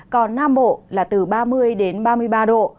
còn nam bộ là từ ba mươi đến ba mươi ba độ